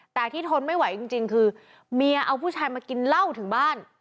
แต่ที่ทนไม่ไหวจริงคือเมียเอาผู้ชายมากินเหล้าถึงบ้าน